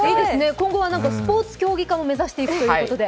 今後はスポーツ競技化を目指しているということです。